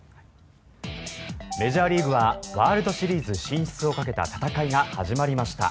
メジャーリーグはワールドシリーズ進出をかけた戦いが始まりました。